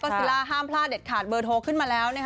ซิล่าห้ามพลาดเด็ดขาดเบอร์โทรขึ้นมาแล้ว